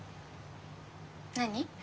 何？